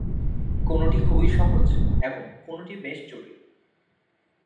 কোনটি খুবই সহজ এবং কোনটি বেশ জটিল।